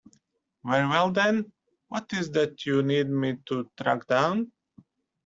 Very well then, what is it that you need me to track down?